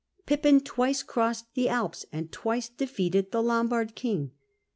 Pippin twice crossed the Alps, and twice defeated the Lombard king.